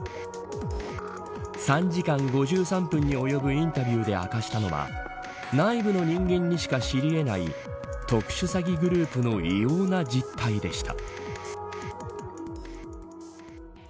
３時間５３分に及ぶインタビューで明かしたのは内部の人間にしか知り得ない特殊詐欺グループの異様な実態でした。